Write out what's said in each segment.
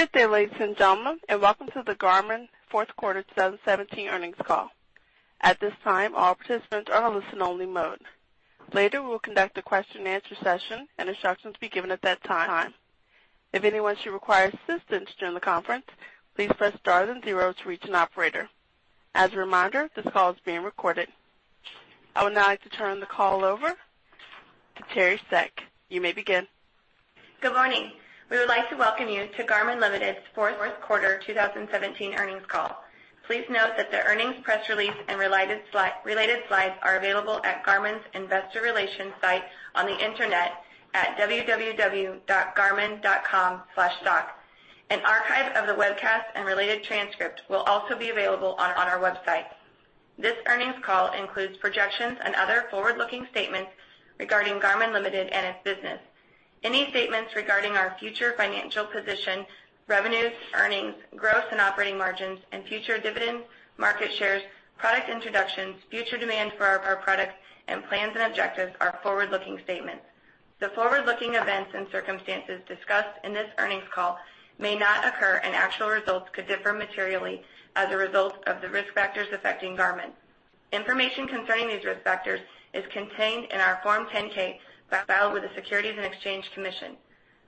Good day, ladies and gentlemen, welcome to the Garmin fourth quarter 2017 earnings call. At this time, all participants are on listen only mode. Later, we'll conduct a question and answer session, instructions will be given at that time. If anyone should require assistance during the conference, please press star then zero to reach an operator. As a reminder, this call is being recorded. I would now like to turn the call over to Teri Seck. You may begin. Good morning. We would like to welcome you to Garmin Limited's fourth quarter 2017 earnings call. Please note that the earnings press release and related slides are available at garmin's investor relations site on the internet at www.garmin.com/stock. An archive of the webcast and related transcript will also be available on our website. This earnings call includes projections and other forward-looking statements regarding Garmin Limited and its business. Any statements regarding our future financial position, revenues, earnings, growth and operating margins and future dividends, market shares, product introductions, future demand for our products, and plans and objectives are forward-looking statements. The forward-looking events and circumstances discussed in this earnings call may not occur, actual results could differ materially as a result of the risk factors affecting Garmin. Information concerning these risk factors is contained in our Form 10-K filed with the Securities and Exchange Commission.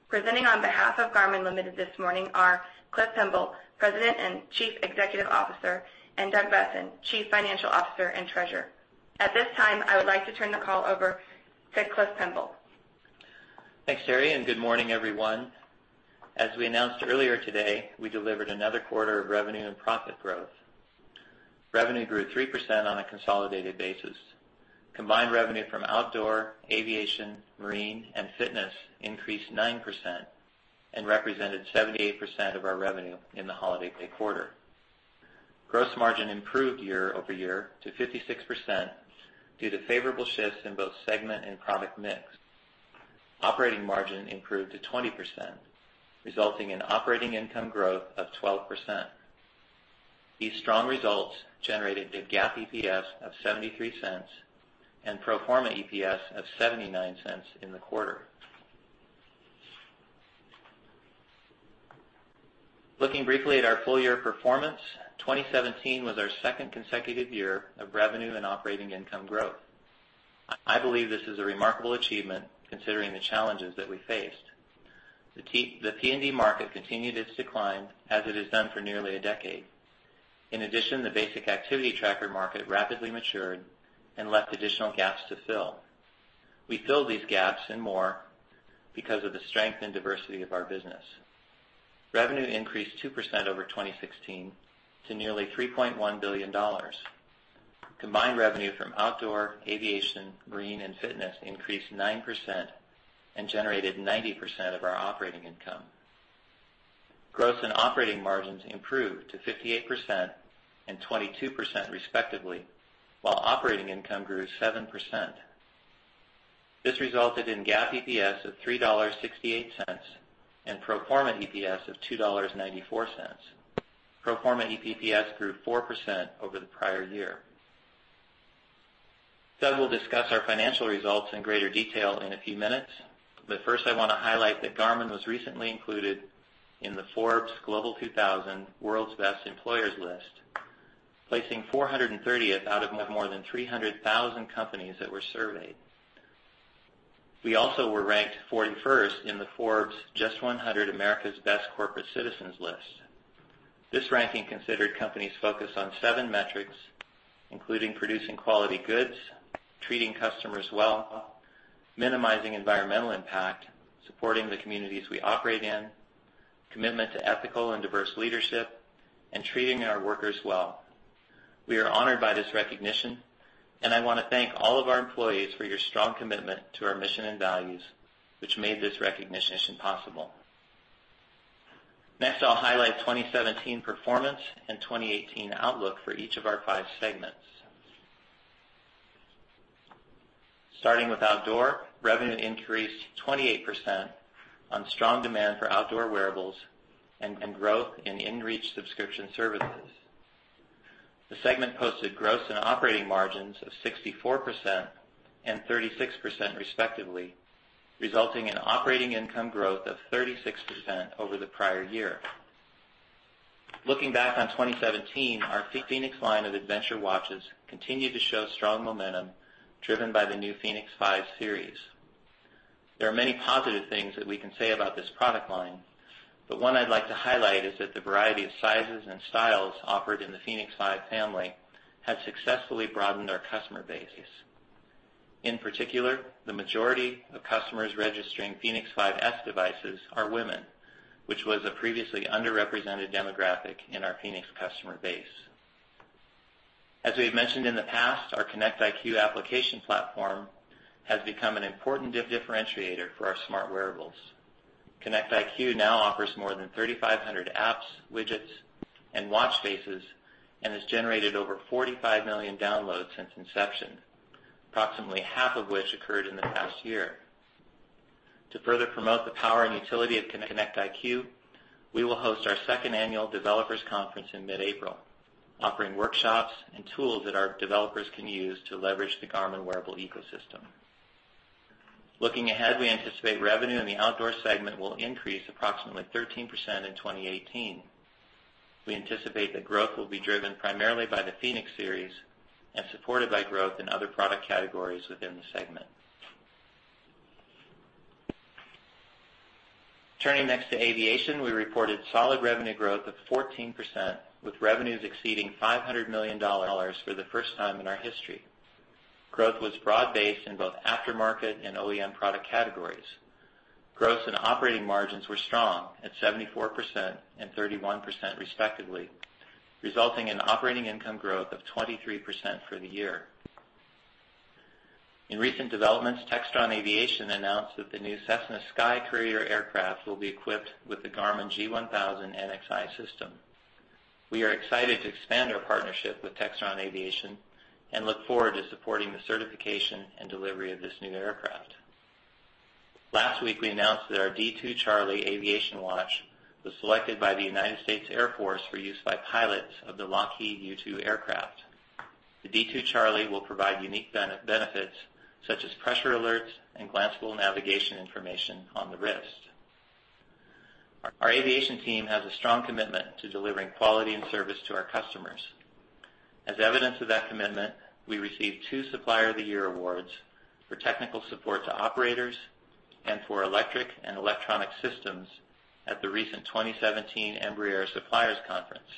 Presenting on behalf of Garmin Limited this morning are Cliff Pemble, President and Chief Executive Officer, and Doug Boessen, Chief Financial Officer and Treasurer. At this time, I would like to turn the call over to Cliff Pemble. Thanks, Teri, and good morning, everyone. As we announced earlier today, we delivered another quarter of revenue and profit growth. Revenue grew 3% on a consolidated basis. Combined revenue from outdoor, aviation, marine, and fitness increased 9% and represented 78% of our revenue in the holiday peak quarter. Gross margin improved year-over-year to 56% due to favorable shifts in both segment and product mix. Operating margin improved to 20%, resulting in operating income growth of 12%. These strong results generated a GAAP EPS of $0.73 and pro forma EPS of $0.79 in the quarter. Looking briefly at our full-year performance, 2017 was our second consecutive year of revenue and operating income growth. I believe this is a remarkable achievement considering the challenges that we faced. The PND market continued its decline as it has done for nearly a decade. In addition, the basic activity tracker market rapidly matured and left additional gaps to fill. We filled these gaps and more because of the strength and diversity of our business. Revenue increased 2% over 2016 to nearly $3.1 billion. Combined revenue from outdoor, aviation, marine, and fitness increased 9% and generated 90% of our operating income. Gross and operating margins improved to 58% and 22% respectively, while operating income grew 7%. This resulted in GAAP EPS of $3.68 and pro forma EPS of $2.94. Pro forma EPS grew 4% over the prior year. Doug will discuss our financial results in greater detail in a few minutes, but first I want to highlight that Garmin was recently included in the Forbes Global 2000 World's Best Employers list, placing 430th out of more than 300,000 companies that were surveyed. We also were ranked 41st in the Forbes JUST 100 America's Best Corporate Citizens list. This ranking considered companies focused on seven metrics, including producing quality goods, treating customers well, minimizing environmental impact, supporting the communities we operate in, commitment to ethical and diverse leadership, and treating our workers well. We are honored by this recognition, and I want to thank all of our employees for your strong commitment to our mission and values, which made this recognition possible. I'll highlight 2017 performance and 2018 outlook for each of our five segments. Starting with outdoor, revenue increased 28% on strong demand for outdoor wearables and growth in inReach subscription services. The segment posted gross and operating margins of 64% and 36% respectively, resulting in operating income growth of 36% over the prior year. Looking back on 2017, our fēnix line of adventure watches continued to show strong momentum driven by the new fēnix 5 series. There are many positive things that we can say about this product line, but one I'd like to highlight is that the variety of sizes and styles offered in the fēnix 5 family have successfully broadened our customer base. In particular, the majority of customers registering fēnix 5S devices are women, which was a previously underrepresented demographic in our fēnix customer base. As we have mentioned in the past, our Connect IQ application platform has become an important differentiator for our smart wearables. Connect IQ now offers more than 3,500 apps, widgets, and watch faces, and has generated over 45 million downloads since inception, approximately half of which occurred in the past year. To further promote the power and utility of Connect IQ, we will host our second annual developers conference in mid-April, offering workshops and tools that our developers can use to leverage the Garmin wearable ecosystem. Looking ahead, we anticipate revenue in the outdoor segment will increase approximately 13% in 2018. We anticipate that growth will be driven primarily by the fēnix series and supported by growth in other product categories within the segment. Turning next to aviation. We reported solid revenue growth of 14%, with revenues exceeding $500 million for the first time in our history. Growth was broad-based in both aftermarket and OEM product categories. Gross and operating margins were strong at 74% and 31% respectively, resulting in operating income growth of 23% for the year. In recent developments, Textron Aviation announced that the new Cessna SkyCourier aircraft will be equipped with the Garmin G1000 NXi system. We are excited to expand our partnership with Textron Aviation and look forward to supporting the certification and delivery of this new aircraft. Last week, we announced that our D2 Charlie aviation watch was selected by the United States Air Force for use by pilots of the Lockheed U-2 aircraft. The D2 Charlie will provide unique benefits such as pressure alerts and glanceable navigation information on the wrist. Our aviation team has a strong commitment to delivering quality and service to our customers. As evidence of that commitment, we received two Supplier of the Year awards for technical support to operators and for electric and electronic systems at the recent 2017 Embraer Suppliers Conference.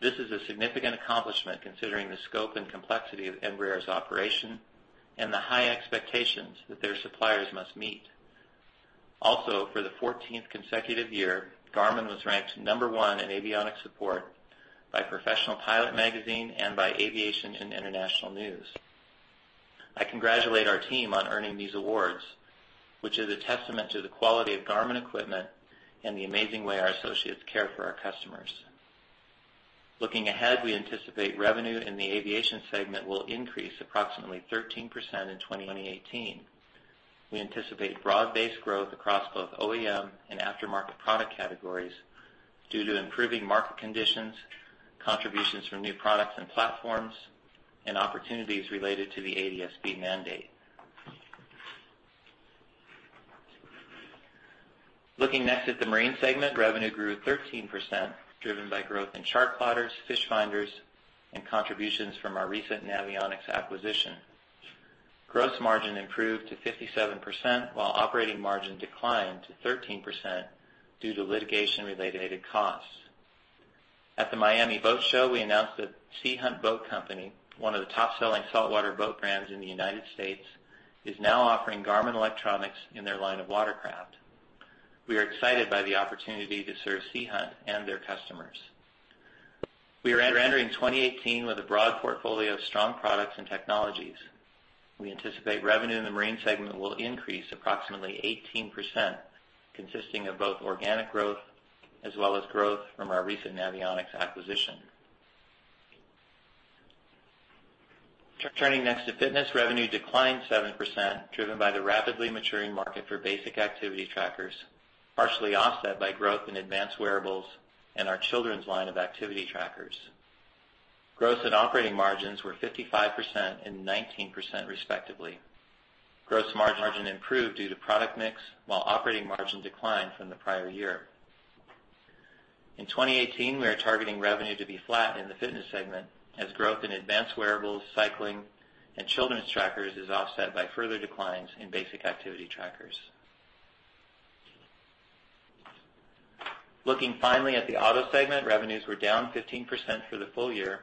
This is a significant accomplishment considering the scope and complexity of Embraer's operation and the high expectations that their suppliers must meet. For the 14th consecutive year, Garmin was ranked number one in avionics support by Professional Pilot Magazine and by Aviation International News. I congratulate our team on earning these awards, which is a testament to the quality of Garmin equipment and the amazing way our associates care for our customers. Looking ahead, we anticipate revenue in the aviation segment will increase approximately 13% in 2018. We anticipate broad-based growth across both OEM and aftermarket product categories due to improving market conditions, contributions from new products and platforms, and opportunities related to the ADS-B mandate. Looking next at the marine segment. Revenue grew 13%, driven by growth in chartplotters, fishfinders, and contributions from our recent Navionics acquisition. Gross margin improved to 57%, while operating margin declined to 13% due to litigation-related costs. At the Miami Boat Show, we announced that Sea Hunt Boat Company, one of the top-selling saltwater boat brands in the U.S., is now offering Garmin electronics in their line of watercraft. We are excited by the opportunity to serve Sea Hunt and their customers. We are entering 2018 with a broad portfolio of strong products and technologies. We anticipate revenue in the marine segment will increase approximately 18%, consisting of both organic growth as well as growth from our recent Navionics acquisition. Turning next to fitness. Revenue declined 7%, driven by the rapidly maturing market for basic activity trackers, partially offset by growth in advanced wearables and our children's line of activity trackers. Gross and operating margins were 55% and 19%, respectively. Gross margin improved due to product mix, while operating margin declined from the prior year. In 2018, we are targeting revenue to be flat in the fitness segment as growth in advanced wearables, cycling, and children's trackers is offset by further declines in basic activity trackers. Looking finally at the auto segment. Revenues were down 15% for the full year,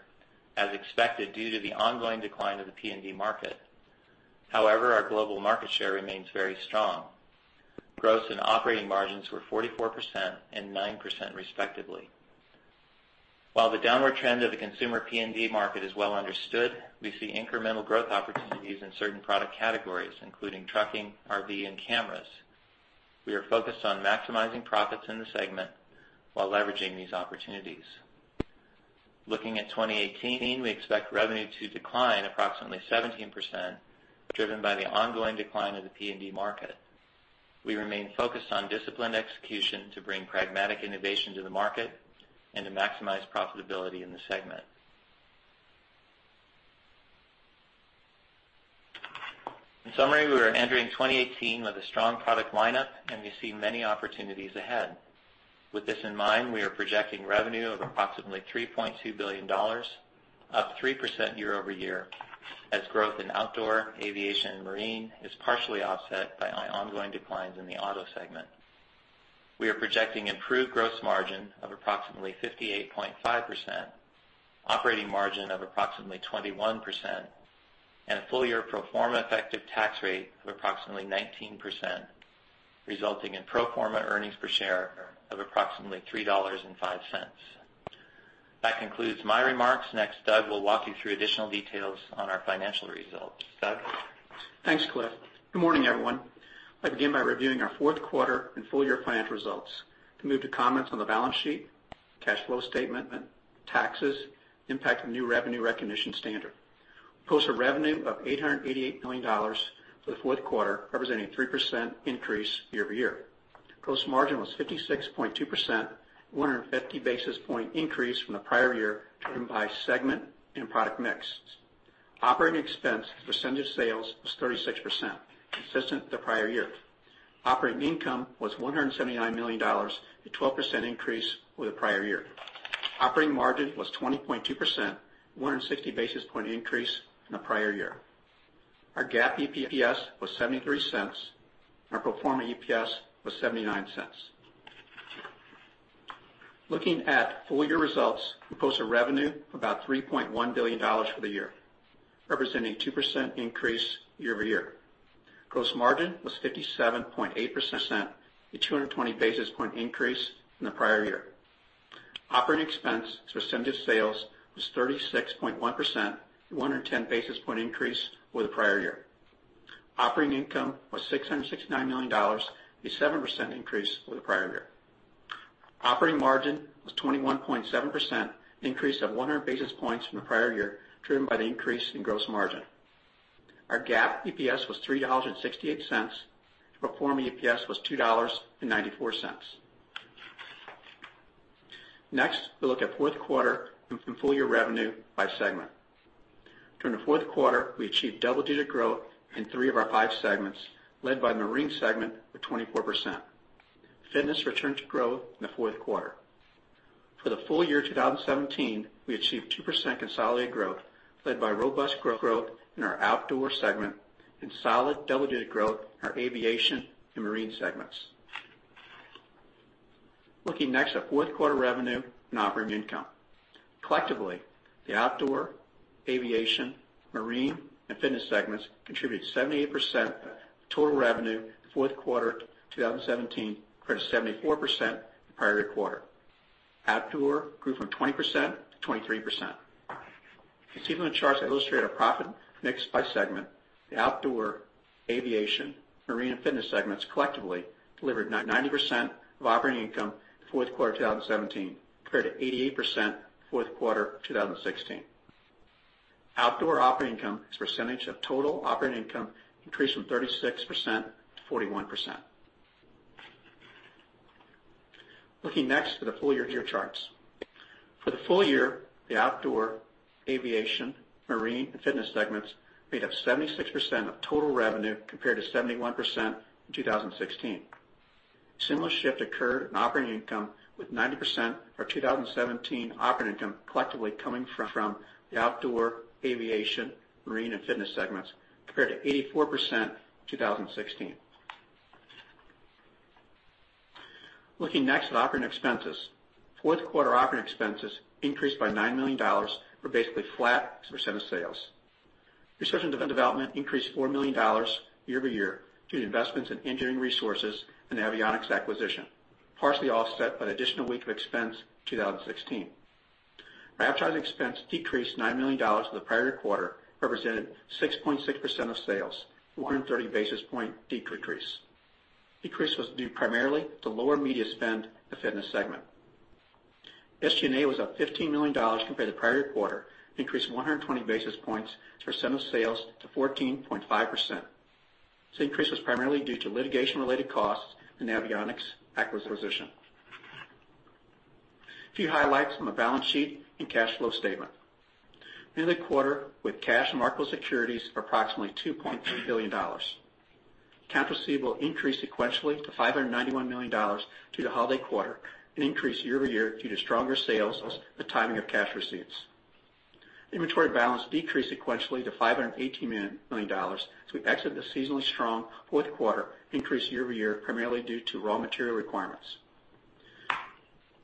as expected, due to the ongoing decline of the PND market. However, our global market share remains very strong. Gross and operating margins were 44% and 9%, respectively. While the downward trend of the consumer PND market is well understood, we see incremental growth opportunities in certain product categories, including trucking, RV, and cameras. We are focused on maximizing profits in the segment while leveraging these opportunities. Looking at 2018, we expect revenue to decline approximately 17%, driven by the ongoing decline of the PND market. We remain focused on disciplined execution to bring pragmatic innovation to the market and to maximize profitability in the segment. In summary, we are entering 2018 with a strong product lineup, and we see many opportunities ahead. With this in mind, we are projecting revenue of approximately $3.2 billion, up 3% year-over-year, as growth in Outdoor, Aviation, and Marine is partially offset by ongoing declines in the Auto segment. We are projecting improved gross margin of approximately 58.5%, operating margin of approximately 21%, and a full-year pro forma effective tax rate of approximately 19%, resulting in pro forma earnings per share of approximately $3.05. That concludes my remarks. Next, Doug will walk you through additional details on our financial results. Doug? Thanks, Cliff. Good morning, everyone. I begin by reviewing our fourth quarter and full-year financial results. We move to comments on the balance sheet, cash flow statement, and taxes, impact of new revenue recognition standard. We post a revenue of $888 million for the fourth quarter, representing 3% increase year-over-year. Gross margin was 56.2%, a 150 basis point increase from the prior year driven by segment and product mix. Operating expense as a percentage of sales was 36%, consistent with the prior year. Operating income was $179 million, a 12% increase over the prior year. Operating margin was 20.2%, a 160 basis point increase from the prior year. Our GAAP EPS was $0.73, and our pro forma EPS was $0.79. Looking at full-year results, we posted revenue of about $3.1 billion for the year, representing a 2% increase year-over-year. Gross margin was 57.8%, a 220 basis point increase from the prior year. Operating expense as a percentage of sales was 36.1%, a 110 basis point increase over the prior year. Operating income was $669 million, a 7% increase over the prior year. Operating margin was 21.7%, an increase of 100 basis points from the prior year, driven by the increase in gross margin. Our GAAP EPS was $3.68. Pro forma EPS was $2.94. Next, we'll look at fourth quarter and full-year revenue by segment. During the fourth quarter, we achieved double-digit growth in three of our five segments, led by the Marine segment with 24%. Fitness returned to growth in the fourth quarter. For the full year 2017, we achieved 2% consolidated growth, led by robust growth in our Outdoor segment and solid double-digit growth in our Aviation and Marine segments. Looking next at fourth quarter revenue and operating income. Collectively, the Outdoor, Aviation, Marine, and Fitness segments contributed 78% of total revenue in the fourth quarter of 2017, compared to 74% in the prior year quarter. Outdoor grew from 20% to 23%. You can see from the charts that illustrate our profit mix by segment, the Outdoor, Aviation, Marine, and Fitness segments collectively delivered 90% of operating income in the fourth quarter of 2017, compared to 88% in the fourth quarter of 2016. Outdoor operating income as a percentage of total operating income increased from 36% to 41%. Looking next to the full-year charts. For the full year, the Outdoor, Aviation, Marine, and Fitness segments made up 76% of total revenue, compared to 71% in 2016. A similar shift occurred in operating income with 90% of our 2017 operating income collectively coming from the Outdoor, Aviation, Marine, and Fitness segments, compared to 84% in 2016. Looking next at operating expenses. Fourth quarter operating expenses increased by $9 million, or basically flat as a % of sales. Research and development increased $4 million year-over-year due to investments in engineering resources and the Navionics acquisition, partially offset by an additional week of expense in 2016. Advertising expense decreased $9 million from the prior quarter, representing 6.6% of sales, a 130 basis point decrease. Decrease was due primarily to lower media spend in the Fitness segment. SG&A was up $15 million compared to the prior year quarter, an increase of 120 basis points as a % of sales to 14.5%. This increase was primarily due to litigation-related costs in the Navionics acquisition. A few highlights from the balance sheet and cash flow statement. We ended the quarter with cash and marketable securities of approximately $2.3 billion. Accounts receivable increased sequentially to $591 million due to the holiday quarter and increased year-over-year due to stronger sales plus the timing of cash receipts. Inventory balance decreased sequentially to $518 million as we exit the seasonally strong fourth quarter, increased year-over-year primarily due to raw material requirements.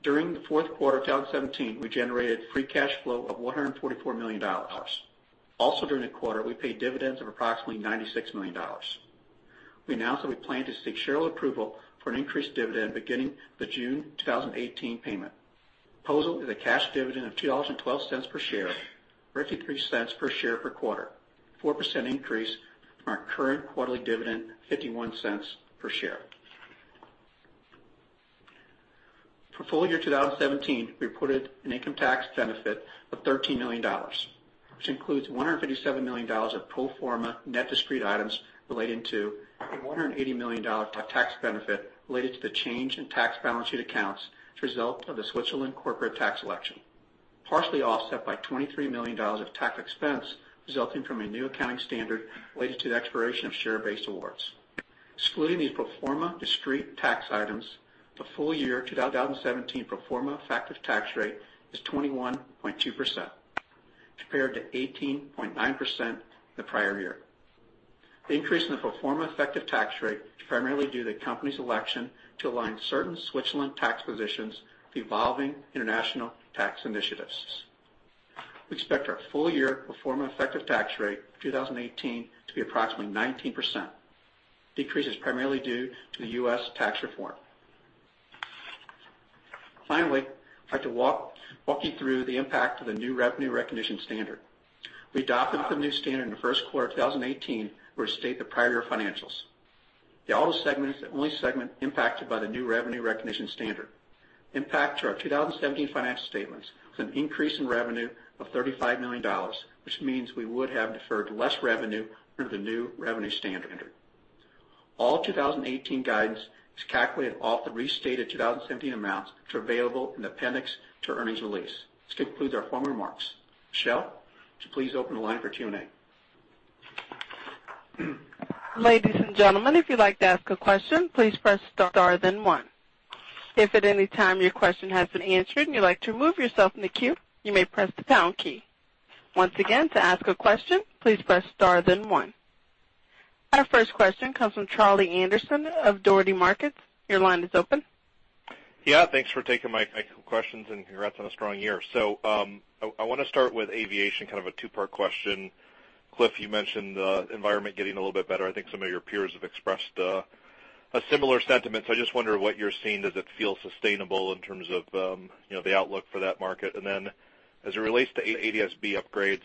During the fourth quarter of 2017, we generated free cash flow of $144 million. During the quarter, we paid dividends of approximately $96 million. We announced that we plan to seek shareholder approval for an increased dividend beginning the June 2018 payment. The proposal is a cash dividend of $2.12 per share, or $0.53 per share per quarter, a 4% increase from our current quarterly dividend of $0.51 per share. For full year 2017, we reported an income tax benefit of $13 million, which includes $157 million of pro forma net discrete items relating to a $180 million tax benefit related to the change in tax balance sheet accounts as a result of the Switzerland corporate tax election, partially offset by $23 million of tax expense resulting from a new accounting standard related to the expiration of share-based awards. Excluding these pro forma discrete tax items, the full year 2017 pro forma effective tax rate is 21.2%, compared to 18.9% the prior year. The increase in the pro forma effective tax rate is primarily due to the company's election to align certain Switzerland tax positions with evolving international tax initiatives. We expect our full year pro forma effective tax rate for 2018 to be approximately 19%. Decrease is primarily due to the U.S. tax reform. Finally, I'd like to walk you through the impact of the new revenue recognition standard. We adopted the new standard in the first quarter of 2018, where I state the prior year financials. The Auto segment is the only segment impacted by the new revenue recognition standard. Impact to our 2017 financial statements was an increase in revenue of $35 million, which means we would have deferred less revenue under the new revenue standard. All 2018 guidance is calculated off the restated 2017 amounts, which are available in Appendix to earnings release. This concludes our formal remarks. Michelle, would you please open the line for Q&A? Ladies and gentlemen, if you'd like to ask a question, please press star then one. If at any time your question has been answered and you'd like to remove yourself from the queue, you may press the pound key. Once again, to ask a question, please press star then one. Our first question comes from Charlie Anderson of Dougherty & Company. Your line is open. Thanks for taking my questions and congrats on a strong year. I want to start with aviation, kind of a two-part question. Cliff, you mentioned the environment getting a little bit better. I think some of your peers have expressed a similar sentiment. I just wonder what you're seeing. Does it feel sustainable in terms of the outlook for that market? As it relates to ADS-B upgrades,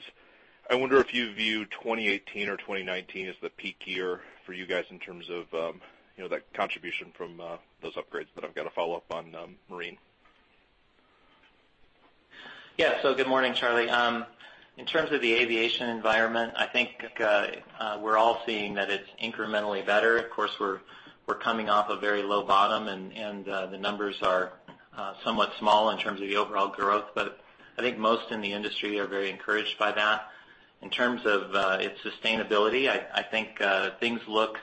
I wonder if you view 2018 or 2019 as the peak year for you guys in terms of that contribution from those upgrades. I've got a follow-up on marine. Good morning, Charlie. In terms of the aviation environment, I think we're all seeing that it's incrementally better. Of course, we're coming off a very low bottom, the numbers are somewhat small in terms of the overall growth, but I think most in the industry are very encouraged by that. In terms of its sustainability, I think things look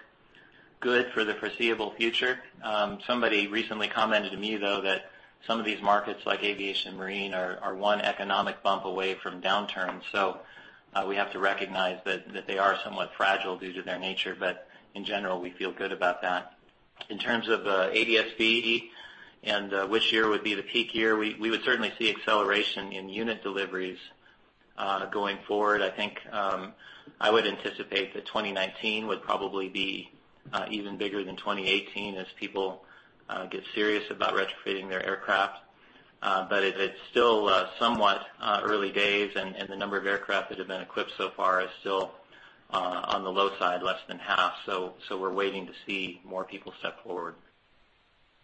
good for the foreseeable future. Somebody recently commented to me, though, that some of these markets, like aviation and marine, are one economic bump away from downturn. We have to recognize that they are somewhat fragile due to their nature. In general, we feel good about that. In terms of ADS-B and which year would be the peak year, we would certainly see acceleration in unit deliveries going forward. I think I would anticipate that 2019 would probably be even bigger than 2018 as people get serious about retrofitting their aircraft. It's still somewhat early days, the number of aircraft that have been equipped so far is still on the low side, less than half. We're waiting to see more people step forward.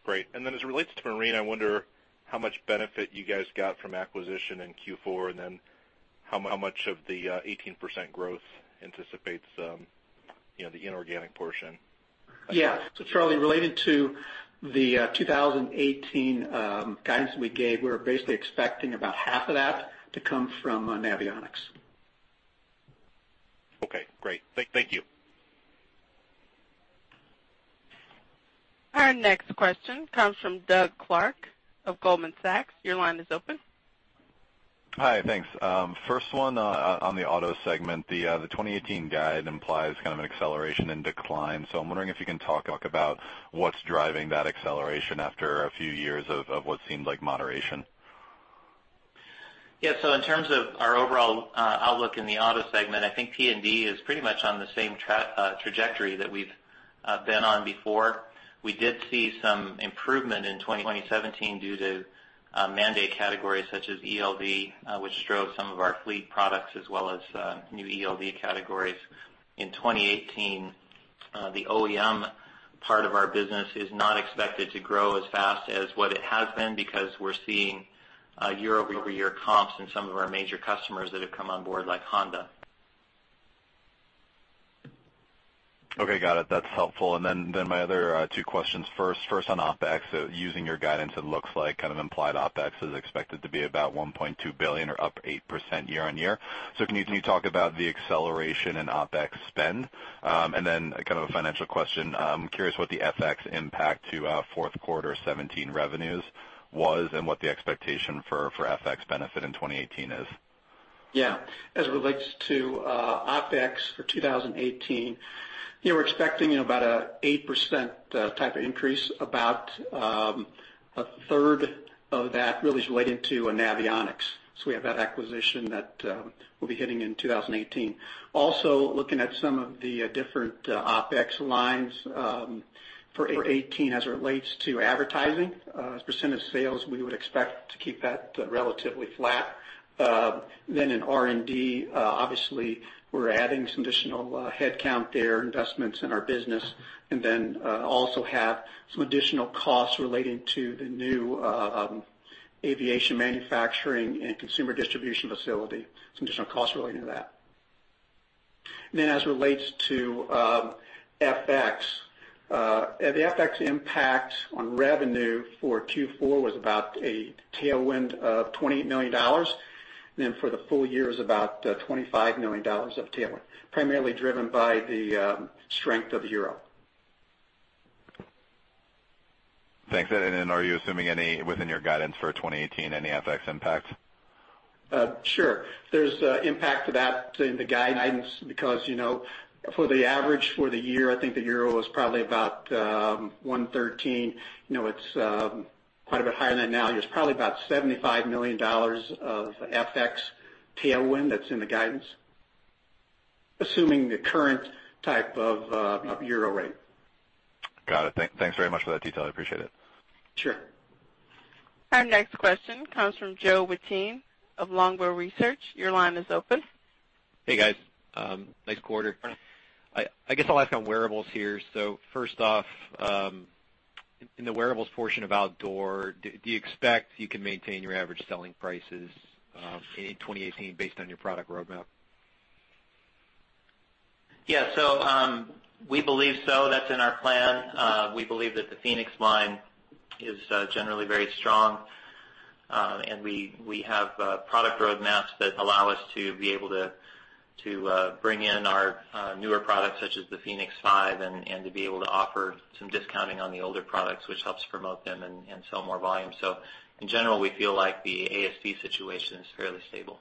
Great. As it relates to marine, I wonder how much benefit you guys got from acquisition in Q4, and how much of the 18% growth anticipates the inorganic portion? Charlie, related to the 2018 guidance that we gave, we're basically expecting about half of that to come from Navionics. Okay, great. Thank you. Our next question comes from Doug Clark of Goldman Sachs. Your line is open. Hi, thanks. First one on the auto segment. The 2018 guide implies kind of an acceleration in decline. I'm wondering if you can talk about what's driving that acceleration after a few years of what seemed like moderation. Yeah. In terms of our overall outlook in the auto segment, I think PND is pretty much on the same trajectory that we've been on before. We did see some improvement in 2017 due to mandate categories such as ELD, which drove some of our fleet products as well as new ELD categories. In 2018, the OEM part of our business is not expected to grow as fast as what it has been, because we're seeing year-over-year comps in some of our major customers that have come on board, like Honda. Okay, got it. That's helpful. My other two questions. First on OpEx, using your guidance, it looks like kind of implied OpEx is expected to be about $1.2 billion or up 8% year-over-year. Can you talk about the acceleration in OpEx spend? Kind of a financial question. I'm curious what the FX impact to fourth quarter 2017 revenues was and what the expectation for FX benefit in 2018 is. Yeah. As it relates to OpEx for 2018, we're expecting about an 8% type of increase. About a third of that really is relating to Navionics. We have that acquisition that will be hitting in 2018. Also, looking at some of the different OpEx lines for 2018, as it relates to advertising as a % of sales, we would expect to keep that relatively flat. In R&D, obviously, we're adding some additional headcount there, investments in our business, and then also have some additional costs relating to the new aviation manufacturing and consumer distribution facility, some additional costs relating to that. As it relates to FX, the FX impact on revenue for Q4 was about a tailwind of $28 million. For the full year is about $25 million of tailwind, primarily driven by the strength of the euro. Thanks. Are you assuming within your guidance for 2018 any FX impact? Sure. There's impact to that in the guidance because for the average for the year, I think the euro was probably about 113. It's quite a bit higher than now. There's probably about $75 million of FX tailwind that's in the guidance, assuming the current type of euro rate. Got it. Thanks very much for that detail. I appreciate it. Sure. Our next question comes from Joe Wittine of Longbow Research. Your line is open. Hey, guys. Nice quarter. Sure. First off, in the wearables portion of outdoor, do you expect you can maintain your average selling prices in 2018 based on your product roadmap? Yeah. We believe so. That's in our plan. We believe that the fēnix line is generally very strong. We have product roadmaps that allow us to be able to bring in our newer products, such as the fēnix 5, to be able to offer some discounting on the older products, which helps promote them and sell more volume. In general, we feel like the ASP situation is fairly stable.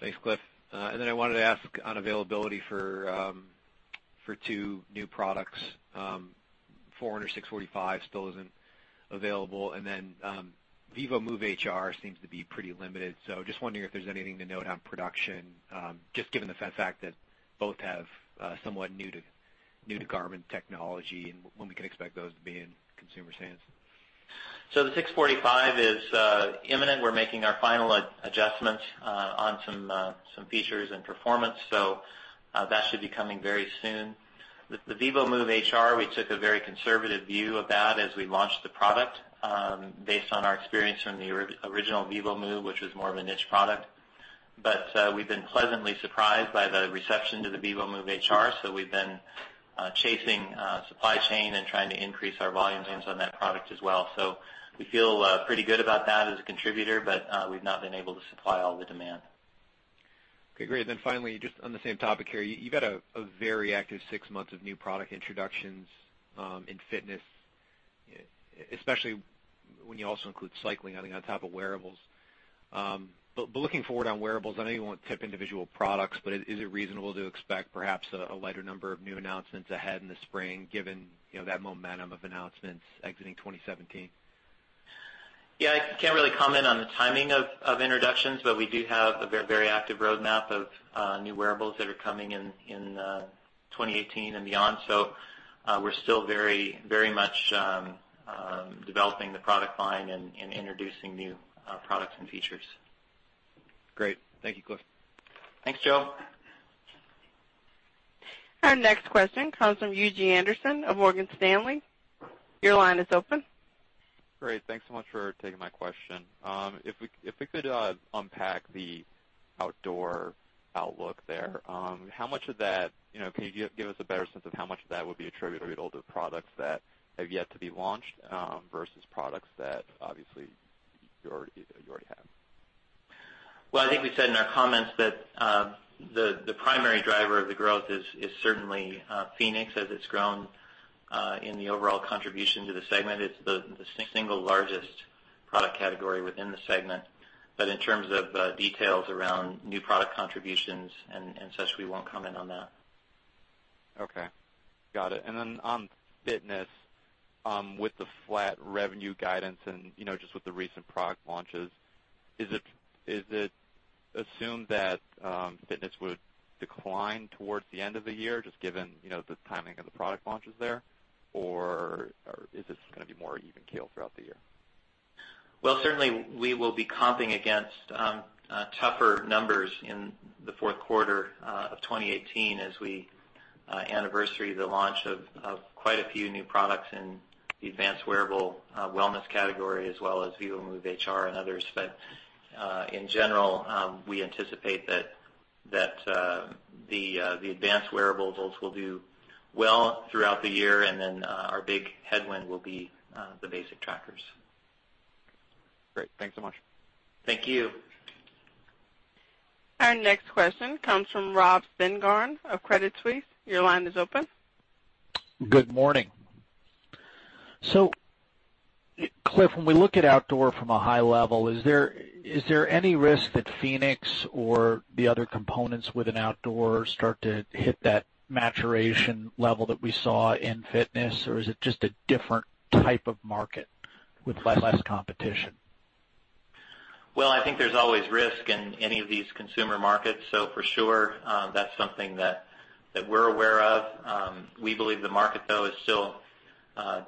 Thanks, Cliff. I wanted to ask on availability for two new products. Forerunner 645 still isn't available, vívomove HR seems to be pretty limited. Just wondering if there's anything to note on production, just given the fact that both have somewhat new-to-Garmin technology, and when we can expect those to be in consumer hands. The 645 is imminent. We're making our final adjustments on some features and performance. That should be coming very soon. The vívomove HR, we took a very conservative view of that as we launched the product, based on our experience from the original vívomove, which was more of a niche product. We've been pleasantly surprised by the reception to the vívomove HR, so we've been chasing supply chain and trying to increase our volume aims on that product as well. We feel pretty good about that as a contributor, but we've not been able to supply all the demand. Okay, great. finally, just on the same topic here, you've had a very active six months of new product introductions, in fitness, especially when you also include cycling, I think, on top of wearables. But looking forward on wearables, I know you won't tip individual products, but is it reasonable to expect perhaps a lighter number of new announcements ahead in the spring, given that momentum of announcements exiting 2017? Yeah, I can't really comment on the timing of introductions, but we do have a very active roadmap of new wearables that are coming in 2018 and beyond. We're still very much developing the product line and introducing new products and features. Great. Thank you, Cliff. Thanks, Joe. Our next question comes from Yuuji Anderson of Morgan Stanley. Your line is open. Great. Thanks so much for taking my question. If we could unpack the outdoor outlook there, can you give us a better sense of how much of that would be attributable to products that have yet to be launched, versus products that obviously you already have? Well, I think we said in our comments that the primary driver of the growth is certainly fēnix, as it's grown, in the overall contribution to the segment. It's the single largest product category within the segment. In terms of details around new product contributions and such, we won't comment on that. Okay. Got it. Then on fitness, with the flat revenue guidance and just with the recent product launches, is it assumed that fitness would decline towards the end of the year, just given the timing of the product launches there, or is this going to be more even keel throughout the year? Well, certainly we will be comping against tougher numbers in the fourth quarter of 2018 as we anniversary the launch of quite a few new products in the advanced wearable wellness category, as well as vívomove HR and others. In general, we anticipate that the advanced wearables will do well throughout the year, and then our big headwind will be the basic trackers. Great. Thanks so much. Thank you. Our next question comes from Robert Spingarn of Credit Suisse. Your line is open. Good morning. Cliff, when we look at outdoor from a high level, is there any risk that fēnix or the other components within outdoor start to hit that maturation level that we saw in fitness, or is it just a different type of market with less competition? Well, I think there's always risk in any of these consumer markets. For sure, that's something that we're aware of. We believe the market, though, is still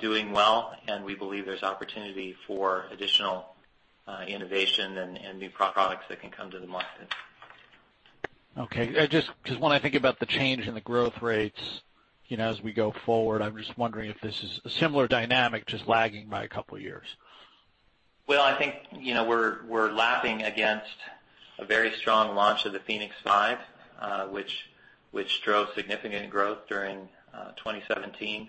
doing well, and we believe there's opportunity for additional innovation and new products that can come to the market. Okay. Just because when I think about the change in the growth rates as we go forward, I'm just wondering if this is a similar dynamic, just lagging by a couple of years. I think we're lapping against a very strong launch of the fēnix 5, which drove significant growth during 2017.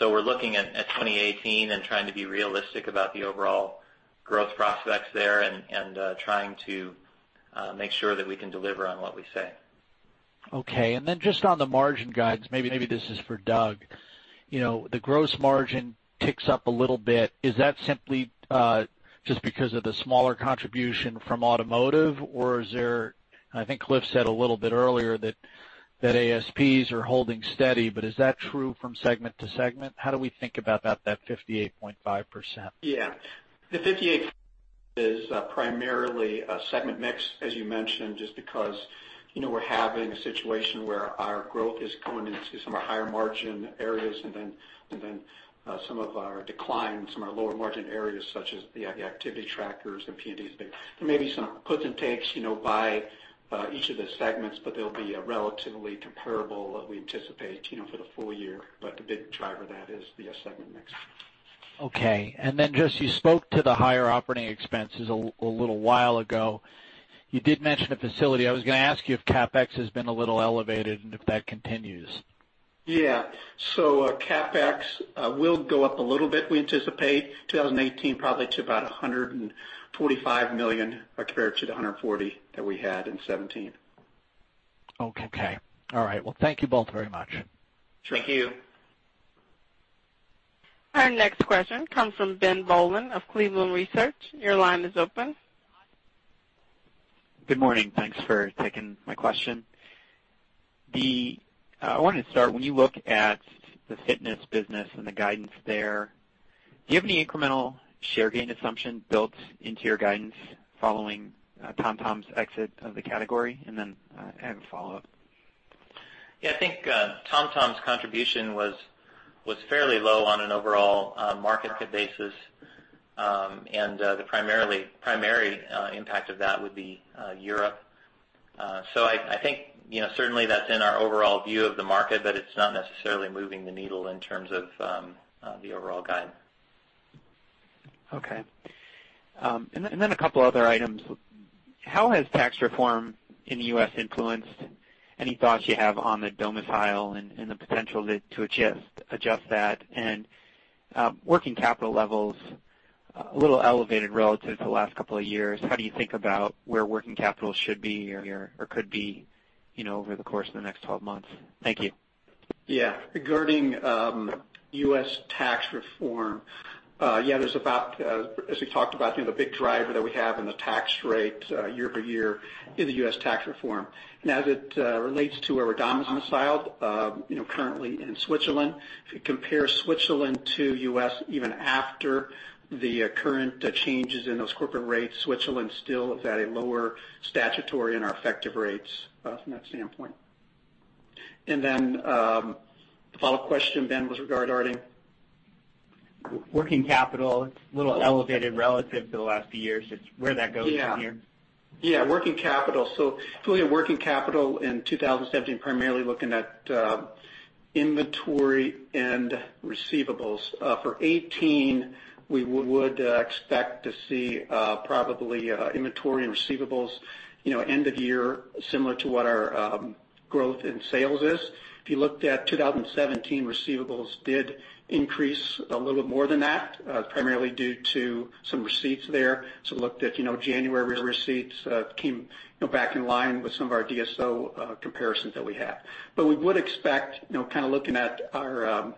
We're looking at 2018 and trying to be realistic about the overall growth prospects there and trying to make sure that we can deliver on what we say. Just on the margin guides, maybe this is for Doug. The gross margin ticks up a little bit. Is that simply just because of the smaller contribution from automotive, or is there I think Cliff said a little bit earlier that ASPs are holding steady, but is that true from segment to segment? How do we think about that 58.5%? The 58.5% is primarily a segment mix, as you mentioned, just because We're having a situation where our growth is going into some of our higher margin areas, and then some of our decline in some of our lower margin areas, such as the activity trackers and PNDs. There may be some puts and takes by each of the segments, but they'll be relatively comparable, we anticipate, for the full year. The big driver of that is the segment mix. Okay. Just, you spoke to the higher operating expenses a little while ago. You did mention a facility. I was going to ask you if CapEx has been a little elevated, and if that continues. Yeah. CapEx will go up a little bit. We anticipate 2018 probably to about $145 million compared to the $140 that we had in 2017. Okay. All right. Well, thank you both very much. Sure. Thank you. Our next question comes from Ben Bollin of Cleveland Research. Your line is open. Good morning. Thanks for taking my question. I wanted to start, when you look at the fitness business and the guidance there, do you have any incremental share gain assumption built into your guidance following TomTom's exit of the category? I have a follow-up. Yeah, I think TomTom's contribution was fairly low on an overall market basis. The primary impact of that would be Europe. I think certainly that's in our overall view of the market, but it's not necessarily moving the needle in terms of the overall guide. Okay. A couple other items. How has tax reform in the U.S. influenced any thoughts you have on the domicile and the potential to adjust that? Working capital levels, a little elevated relative to the last couple of years. How do you think about where working capital should be or could be over the course of the next 12 months? Thank you. Regarding U.S. tax reform, as we talked about, the big driver that we have in the tax rate year-over-year is the U.S. tax reform. As it relates to where we're domiciled, currently in Switzerland. If you compare Switzerland to U.S., even after the current changes in those corporate rates, Switzerland still is at a lower statutory in our effective rates from that standpoint. Then, the follow-up question, Ben, was regarding? Working capital. It's a little elevated relative to the last few years. It's where that goes from here. Working capital. If we look at working capital in 2017, primarily looking at inventory and receivables. For 2018, we would expect to see probably inventory and receivables end of year similar to what our growth in sales is. If you looked at 2017, receivables did increase a little more than that, primarily due to some receipts there. Looked at January receipts came back in line with some of our DSO comparisons that we have. We would expect, looking at our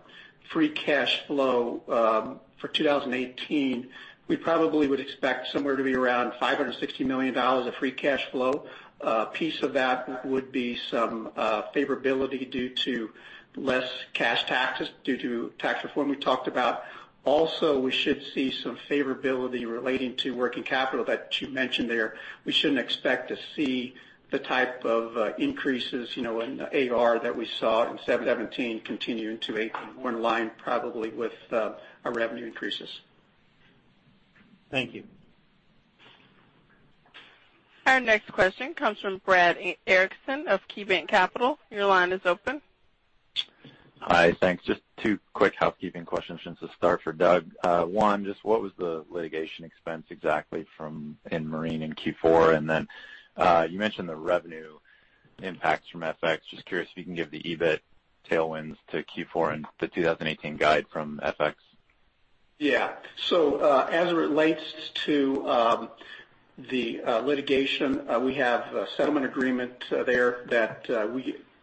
free cash flow for 2018, we probably would expect somewhere to be around $560 million of free cash flow. A piece of that would be some favorability due to less cash taxes due to tax reform we talked about. Also, we should see some favorability relating to working capital that you mentioned there. We shouldn't expect to see the type of increases in AR that we saw in 2017 continuing to 2018. More in line probably with our revenue increases. Thank you. Our next question comes from Brad Erickson of KeyBanc Capital. Your line is open. Hi, thanks. Just two quick housekeeping questions to start for Doug. One, just what was the litigation expense exactly in marine in Q4? And then, you mentioned the revenue impacts from FX. Just curious if you can give the EBIT tailwinds to Q4 and the 2018 guide from FX. Yeah. As it relates to the litigation, we have a settlement agreement there that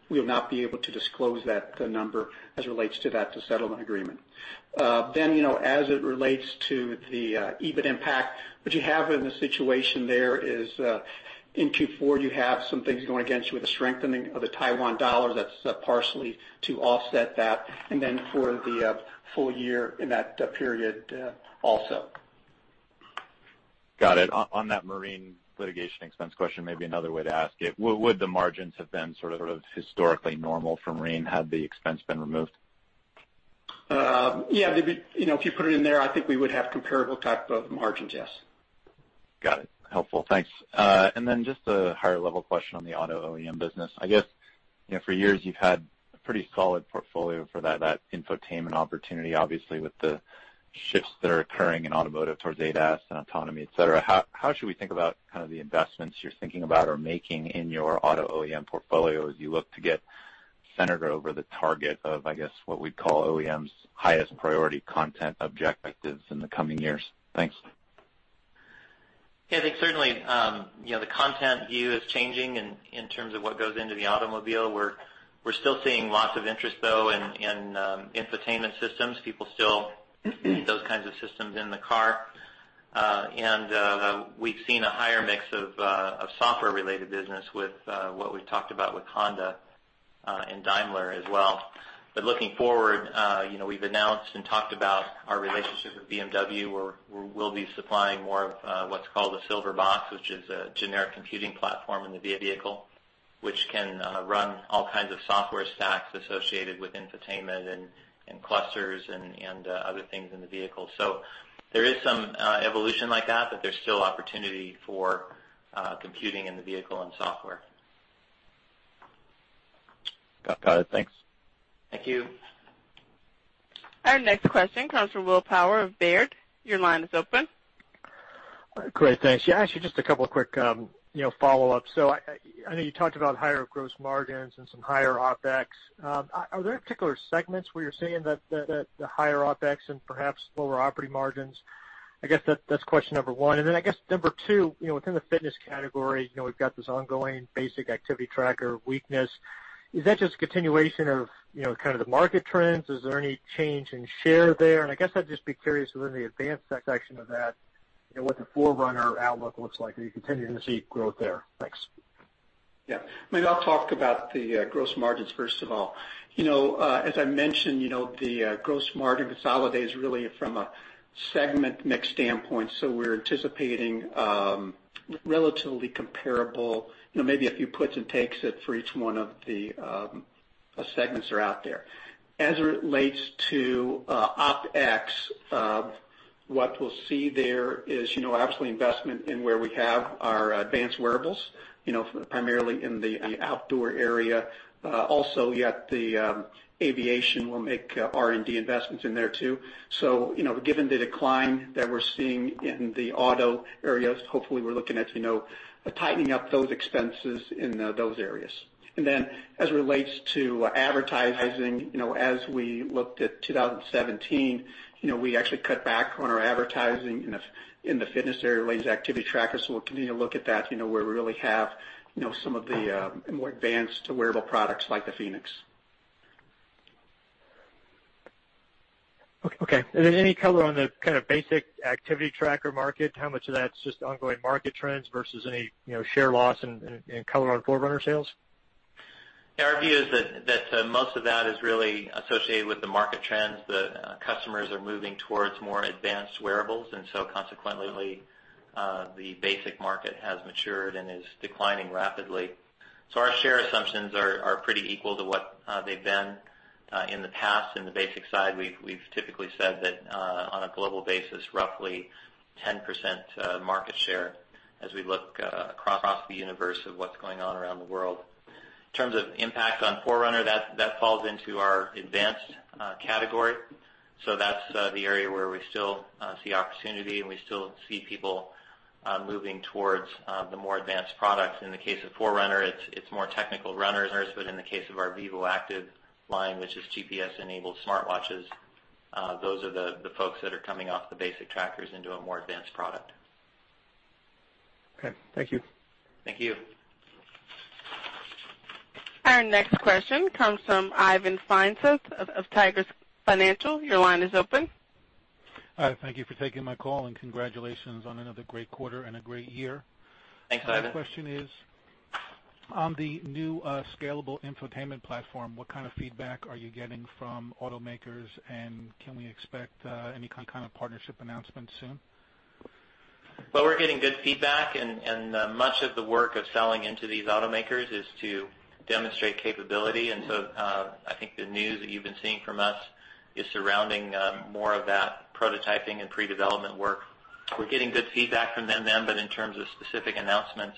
we will not be able to disclose that number as it relates to that settlement agreement. As it relates to the EBIT impact, what you have in the situation there is in Q4, you have some things going against you with the strengthening of the Taiwan dollar that's partially to offset that. For the full year in that period, also. Got it. On that marine litigation expense question, maybe another way to ask it. Would the margins have been sort of historically normal for marine had the expense been removed? Yeah. If you put it in there, I think we would have comparable type of margins, yes. Got it. Helpful. Thanks. Just a higher-level question on the auto OEM business. I guess, for years, you've had a pretty solid portfolio for that infotainment opportunity, obviously with the shifts that are occurring in automotive towards ADAS and autonomy, et cetera. How should we think about the investments you're thinking about or making in your auto OEM portfolio as you look to get centered over the target of, I guess, what we'd call OEM's highest priority content objectives in the coming years? Thanks. Yeah, I think certainly, the content view is changing in terms of what goes into the automobile. We're still seeing lots of interest, though, in infotainment systems. People still need those kinds of systems in the car. We've seen a higher mix of software-related business with what we've talked about with Honda. In Daimler as well. Looking forward, we've announced and talked about our relationship with BMW, where we'll be supplying more of what's called a silver box, which is a generic computing platform in the vehicle, which can run all kinds of software stacks associated with infotainment and clusters and other things in the vehicle. There is some evolution like that, but there's still opportunity for computing in the vehicle and software. Got it. Thanks. Thank you. Our next question comes from Will Power of Baird. Your line is open. Great. Thanks. Yeah, actually, just a couple quick follow-ups. I know you talked about higher gross margins and some higher OpEx. Are there particular segments where you're seeing the higher OpEx and perhaps lower operating margins? I guess that's question number one. And then I guess number two, within the fitness category, we've got this ongoing basic activity tracker weakness. Is that just a continuation of kind of the market trends? Is there any change in share there? And I guess I'd just be curious within the advanced section of that, what the Forerunner outlook looks like. Are you continuing to see growth there? Thanks. Yeah. Maybe I'll talk about the gross margins first of all. As I mentioned, the gross margin consolidate is really from a segment mix standpoint, we're anticipating relatively comparable, maybe a few puts and takes it for each one of the segments that are out there. As it relates to OpEx, what we'll see there is absolutely investment in where we have our advanced wearables, primarily in the outdoor area. Also, the aviation, we'll make R&D investments in there too. Given the decline that we're seeing in the auto areas, hopefully we're looking at tightening up those expenses in those areas. As it relates to advertising, as we looked at 2017, we actually cut back on our advertising in the fitness area relating to activity trackers. We're continuing to look at that, where we really have some of the more advanced wearable products like the fēnix. Okay. Any color on the kind of basic activity tracker market, how much of that's just ongoing market trends versus any share loss and color on Forerunner sales? Yeah. Our view is that most of that is really associated with the market trends. The customers are moving towards more advanced wearables. Consequently, the basic market has matured and is declining rapidly. Our share assumptions are pretty equal to what they've been in the past. In the basic side, we've typically said that on a global basis, roughly 10% market share as we look across the universe of what's going on around the world. In terms of impact on Forerunner, that falls into our advanced category. That's the area where we still see opportunity and we still see people moving towards the more advanced products. In the case of Forerunner, it's more technical runners. In the case of our vívoactive line, which is GPS-enabled smartwatches, those are the folks that are coming off the basic trackers into a more advanced product. Okay. Thank you. Thank you. Our next question comes from Ivan Feinseth of Tigress Financial. Your line is open. Hi, thank you for taking my call, and congratulations on another great quarter and a great year. Thanks, Ivan. My question is, on the new scalable infotainment platform, what kind of feedback are you getting from automakers, and can we expect any kind of partnership announcements soon? Well, we're getting good feedback, and much of the work of selling into these automakers is to demonstrate capability. I think the news that you've been seeing from us is surrounding more of that prototyping and pre-development work. We're getting good feedback from them, but in terms of specific announcements,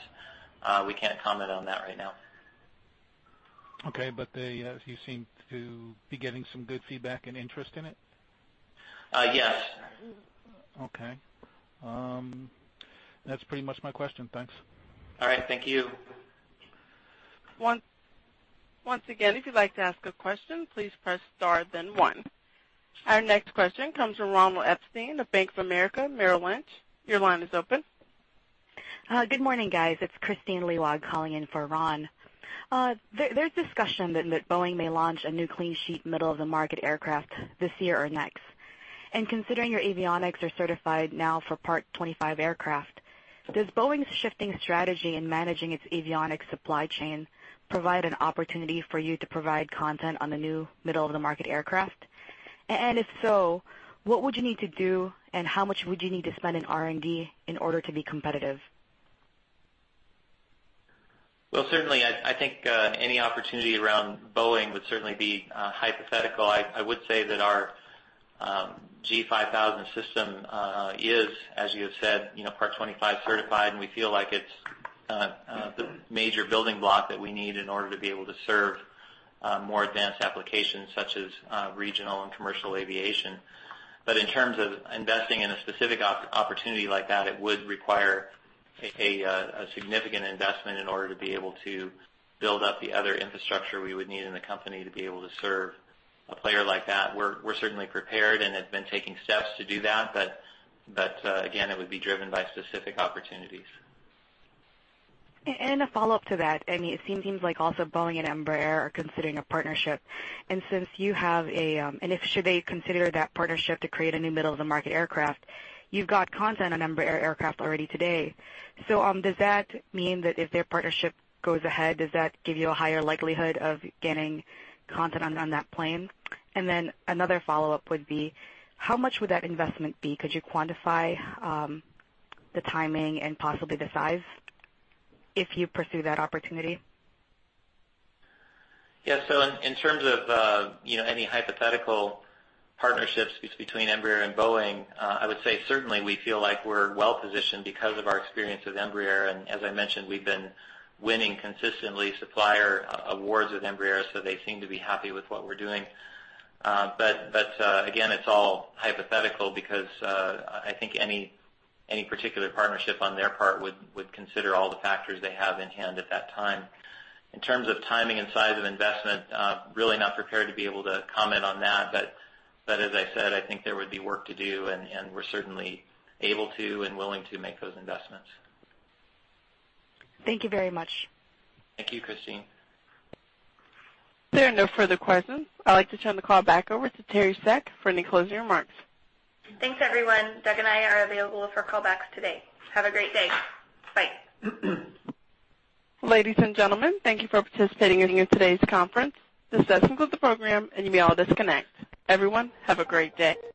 we can't comment on that right now. Okay. You seem to be getting some good feedback and interest in it? Yes. Okay. That's pretty much my question. Thanks. All right. Thank you. Once again, if you'd like to ask a question, please press star then one. Our next question comes from Ronald Epstein of Bank of America Merrill Lynch. Your line is open. Good morning, guys. It's Christine Lewald calling in for Ron. There's discussion that Boeing may launch a new clean sheet middle of the market aircraft this year or next. Considering your avionics are certified now for Part 25 aircraft, does Boeing's shifting strategy in managing its avionics supply chain provide an opportunity for you to provide content on the new middle of the market aircraft? If so, what would you need to do and how much would you need to spend in R&D in order to be competitive? Well, certainly, I think any opportunity around Boeing would certainly be hypothetical. I would say that our G5000 system is, as you have said, Part 25 certified, and we feel like it's the major building block that we need in order to be able to serve more advanced applications such as regional and commercial aviation. In terms of investing in a specific opportunity like that, it would require a significant investment in order to be able to build up the other infrastructure we would need in the company to be able to serve a player like that. We're certainly prepared and have been taking steps to do that. Again, it would be driven by specific opportunities. A follow-up to that, it seems like also Boeing and Embraer are considering a partnership. Should they consider that partnership to create a new middle-of-the-market aircraft, you've got content on Embraer aircraft already today. Does that mean that if their partnership goes ahead, does that give you a higher likelihood of getting content on that plane? Another follow-up would be, how much would that investment be? Could you quantify the timing and possibly the size if you pursue that opportunity? Yeah. In terms of any hypothetical partnerships between Embraer and Boeing, I would say certainly we feel like we're well-positioned because of our experience with Embraer, and as I mentioned, we've been winning consistently supplier awards with Embraer, so they seem to be happy with what we're doing. Again, it's all hypothetical because I think any particular partnership on their part would consider all the factors they have in hand at that time. In terms of timing and size of investment, really not prepared to be able to comment on that. As I said, I think there would be work to do, and we're certainly able to and willing to make those investments. Thank you very much. Thank you, Christine. There are no further questions. I'd like to turn the call back over to Teri Seck for any closing remarks. Thanks, everyone. Doug and I are available for callbacks today. Have a great day. Bye. Ladies and gentlemen, thank you for participating in today's conference. This does conclude the program, and you may all disconnect. Everyone, have a great day.